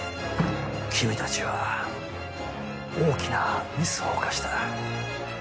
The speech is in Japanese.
君たちは大きなミスを犯した。